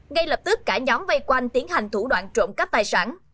ngay lập tức cả nhóm vây quanh tiến hành thủ đoạn trộm cắp tài sản